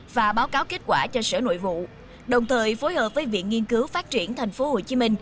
và báo cáo kết quả cho sở nội vụ đồng thời phối hợp với viện nghiên cứu phát triển tp hcm